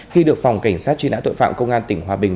khi được phòng cảnh sát truy nã tội phạm công an tỉnh hòa bình